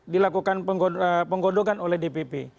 dilakukan penggodokan oleh dpp